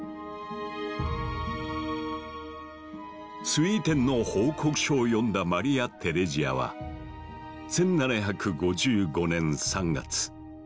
スウィーテンの報告書を読んだマリア・テレジアはを出す。